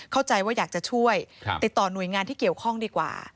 เข้าใจว่าอยากจะช่วยติดต่อหน่วยงานที่เกี่ยวข้องดีกว่า